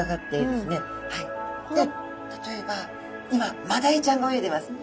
で例えば今マダイちゃんが泳いでます。